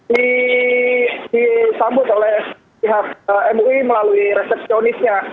disambut oleh pihak mui melalui resepsionisnya